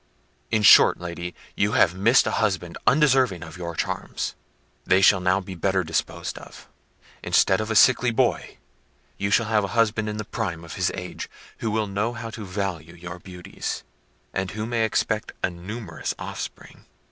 In short, Lady, you have missed a husband undeserving of your charms: they shall now be better disposed of. Instead of a sickly boy, you shall have a husband in the prime of his age, who will know how to value your beauties, and who may expect a numerous offspring."